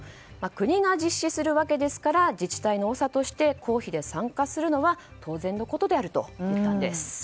国が実施するわけですから自治体の長として公費で参加するのは当然のことであると言ったんです。